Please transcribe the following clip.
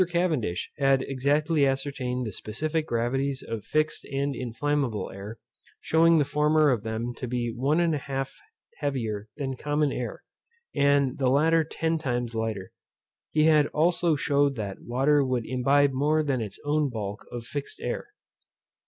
Cavendish had exactly ascertained the specific gravities of fixed and inflammable air, shewing the former of them to be 1 1/2 heavier than common air, and the latter ten times lighter. He also shewed that water would imbibe more than its own bulk of fixed air.